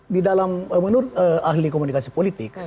di dalam menurut ahli komunikasi politik